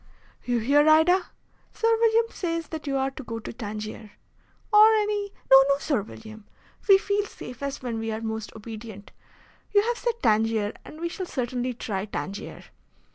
"You hear, Ida? Sir William says that you are to go to Tangier." "Or any " "No, no, Sir William! We feel safest when we are most obedient. You have said Tangier, and we shall certainly try Tangier."